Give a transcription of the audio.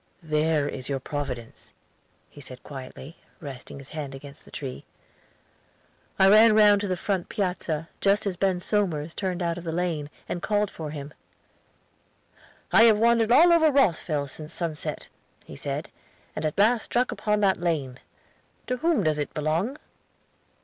"There is your Providence," he said quietly, resting his hand against the tree. I ran round to the front piazza, just as Ben Somers turned out of the lane, and called him. "I have wandered all over Rosville since sunset," he said "and at last struck upon that lane. To whom does it belong?"